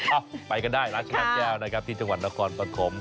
อ้าวไปก็ได้ร้านชาติแจ้วนะครับที่จังหวัดนครปฐม